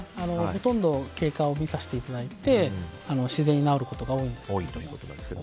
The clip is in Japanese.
ほとんど経過を見させていただいて自然に治ることが多いですね。